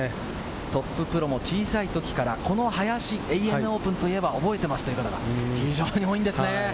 トッププロも小さいときからこの林、ＡＮＡオープンと言えば覚えていますという方が非常に多いんですね。